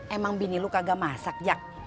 emang bini lu kagak masak jak